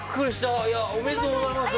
ありがとうございます。